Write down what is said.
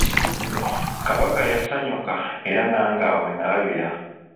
Kabaka yasanyuka era nange awo wennalabira.